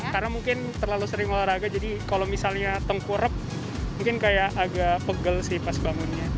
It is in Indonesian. karena mungkin terlalu sering olahraga jadi kalau misalnya tengkurep mungkin kayak agak pegel sih pas bangunnya